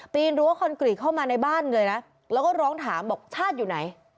รั้วคอนกรีตเข้ามาในบ้านเลยนะแล้วก็ร้องถามบอกชาติอยู่ไหน